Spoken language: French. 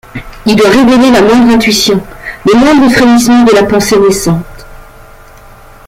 Il doit révéler la moindre intuition, le moindre frémissement de la pensée naissante.